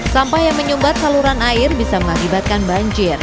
sampah yang menyumbat saluran air bisa mengakibatkan banjir